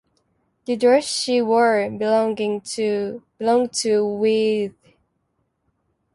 The dress she wore belonged to Wyeth.